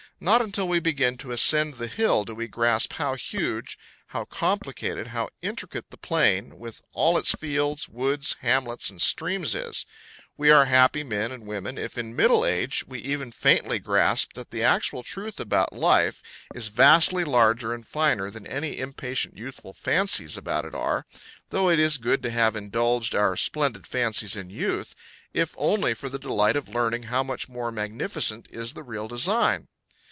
Not until we begin to ascend the hill do we grasp how huge, how complicated, how intricate the plain, with all its fields, woods, hamlets, and streams is; we are happy men and women if in middle age we even faintly grasp that the actual truth about life is vastly larger and finer than any impatient youthful fancies about it are, though it is good to have indulged our splendid fancies in youth, if only for the delight of learning how much more magnificent is the real design.